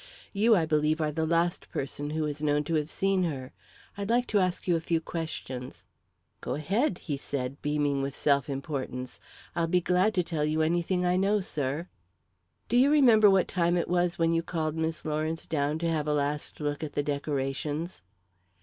You, I believe, are the last person who is known to have seen her. I'd like to ask you a few questions." "Go ahead," he said, beaming with self importance. "I'll be glad to tell you anything I know, sir." "Do you remember what time it was when you called Miss Lawrence down to have a last look at the decorations?"